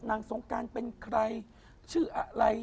นางสงกรานเป็นใครชื่ออะไร